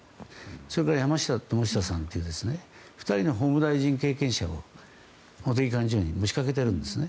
それから山下さんという２人の法務大臣経験者を茂木幹事長に持ち掛けてるんです。